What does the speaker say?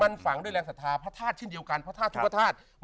มันฝังด้วยแรงศรัทธาพระธาตุเช่นเดียวกันพระธาตุทุกพระธาตุ